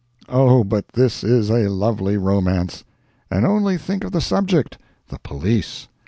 Oh, but this is a lovely romance! And only think of the subject—the police!